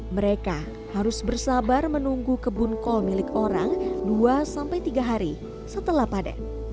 mereka harus bersabar menunggu kebun kol milik orang dua tiga hari setelah panen